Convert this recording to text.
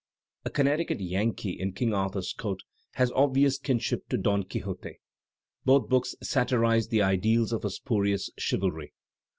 "A Connecticut Yankee in King Arthur's Court" has obvious kinship to "Don Quixote." Both books satirize the ideals of a spurious chivalry.